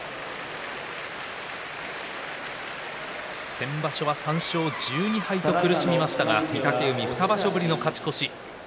先場所は３勝１２敗と苦しみましたが御嶽海２場所ぶりの勝ち越し。